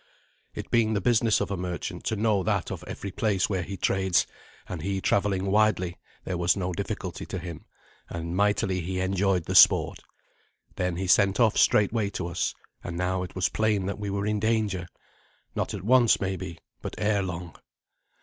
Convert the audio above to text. It being the business of a merchant to know that of every place where he trades, and he travelling widely, there was no difficulty to him, and mightily he enjoyed the sport. Then he sent off straightway to us; and now it was plain that we were in danger not at once, maybe, but ere long.